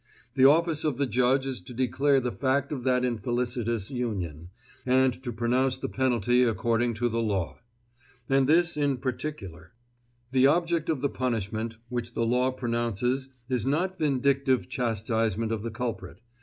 The office of the judge is to declare the fact of that infelicitous union, and to pronounce the penalty according to the law. And this, in particular. The object of the punishment which the law pronounces is not vindictive chastisement of the culprit.